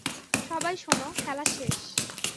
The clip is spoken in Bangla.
সবাই শোনো, খেলা শেষ!